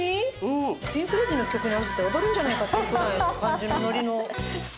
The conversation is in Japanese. ピンク・レディーの曲に合わせて踊るんじゃないかっていうぐらいの感じのノリの。